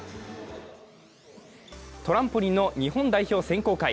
トランポリンの日本代表選考会。